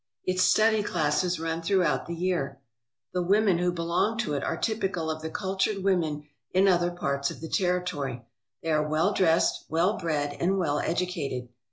Its study classes run throughout the year. The women who belong to it are typical of the cultured women in other parts of the territory. They are well dressed, well bred, and well educated.